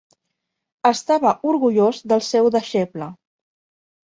Estava orgullós del seu deixeble.